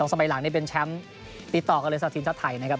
๒สมัยหลังเป็นแชมป์ติดต่อกับเรศาสตร์ทีมทัศน์ไทยนะครับ